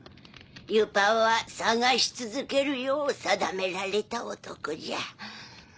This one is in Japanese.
ユパは探し続けるよう定められた男じゃ。